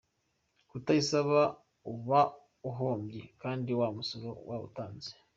Kutayisaba uba uhombye kandi wa musoro wawutanze.